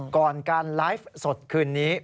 ก่อนการไลฟ์สดคืนนี้